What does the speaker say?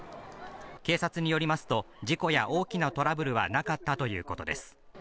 警察によりますと、事故や大きなトラブルはなかったということです。